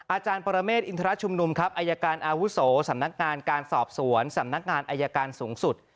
อาจารย์ปรเมฆอินทรชุมนุมครับอายการอาวุโสสำนักงานการสอบสวนสำนักงานอายการสูงสุด